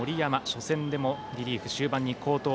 初戦でもリリーフで終盤に好投。